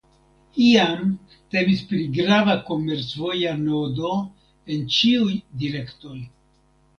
Iam temis pri grava komercvoja nodo en ĉiuj direktoj.